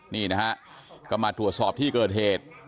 นี่นะฮะก็มาตรวจสอบที่เกิดเหตุ